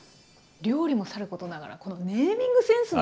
料理もさることながらこのネーミングセンスも。